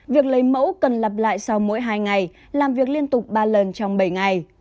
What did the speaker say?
việc lấy mẫu cần lặp lại sau mỗi hai ngày làm việc liên tục ba lần trong bảy ngày